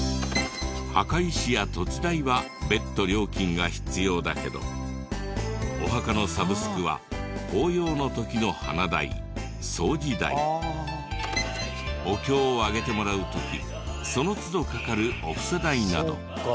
墓石や土地代は別途料金が必要だけどお墓のサブスクは法要の時の花代掃除代お経を上げてもらう時その都度かかるお布施代など。